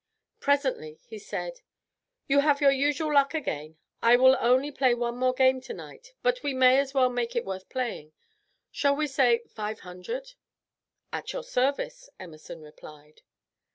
Presently he said: "You have your usual luck again; I will only play one more game tonight, but we may as well make it worth playing. Shall we say five hundred?" "At your service," Emerson replied.